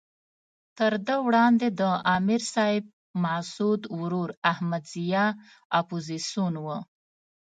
تر ده وړاندې د امر صاحب مسعود ورور احمد ضیاء اپوزیسون وو.